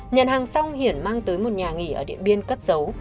nhận hàng xong hiển mang tới một nhà nghỉ ở điện biên cất dấu